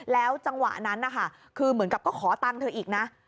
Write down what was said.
แล้วจังหวะนั้นนะคะคือเหมือนกับก็ขอตังค์เธออีกนะ